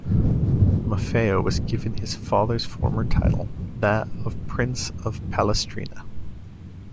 Maffeo was given his father's former title, that of Prince of Palestrina.